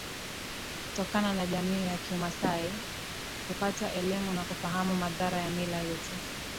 kutokana na jamii ya kimasai kupata elimu na kufahamu madhara ya mila hizo